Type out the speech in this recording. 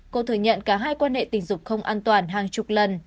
cô thừa nhận cả hai quan hệ tình dục không an toàn hàng chục lần